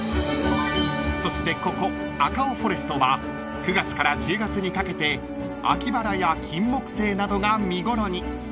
［そしてここＡＣＡＯＦＯＲＥＳＴは９月から１０月にかけて秋バラやキンモクセイなどが見頃に］